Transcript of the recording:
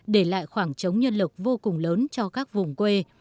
để lại khoảng trống nhân lực vô cùng lớn cho các vùng quê